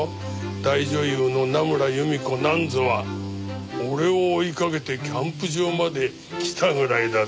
大女優の名村由美子なんぞは俺を追いかけてキャンプ場まで来たぐらいだぜ。